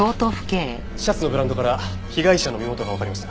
シャツのブランドから被害者の身元がわかりました。